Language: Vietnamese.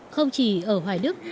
không chỉ ở hoài đức